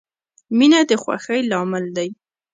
• مینه د خوښۍ لامل دی.